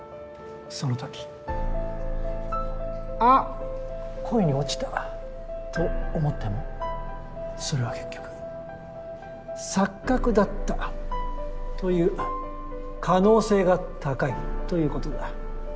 そのとき「あ恋に落ちた」と思ってもそれは結局錯覚だったという可能性が高いということだ。